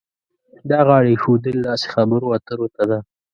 دا غاړه ایښودل داسې خبرو اترو ته ده.